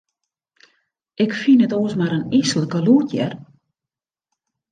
Ik fyn it oars mar in yslik gelûd, hear.